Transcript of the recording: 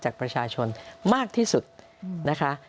จากประชาชนมากที่สุดนะคะ